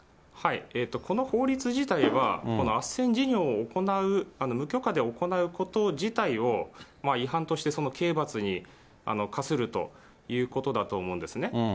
この法律自体はあっせん事業を行う、無許可で行うこと自体を、違反として刑罰に科するということだと思うんですね。